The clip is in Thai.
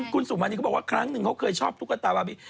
คุณสุมานีเขาบอกว่าครั้งหนึ่งเขาเคยชอบตุ๊กตาบาร์บี